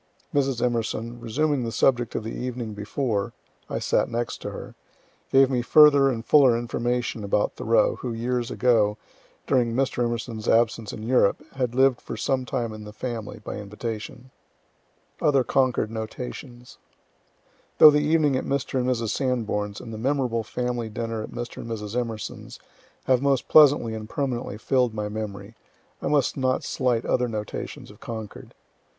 Mrs. Emerson, resuming the subject of the evening before, (I sat next to her,) gave me further and fuller information about Thoreau, who, years ago, during Mr. E.'s absence in Europe, had lived for some time in the family, by invitation. OTHER CONCORD NOTATIONS Though the evening at Mr. and Mrs. Sanborn's, and the memorable family dinner at Mr. and Mrs. Emerson's, have most pleasantly and permanently fill'd my memory, I must not slight other notations of Concord.